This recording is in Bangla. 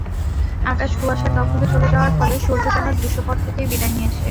আকাশ কুয়াশার দখলে চলে যাওয়ার ফলে সূর্য যেন দৃশ্যপট থেকেই বিদায় নিয়েছে।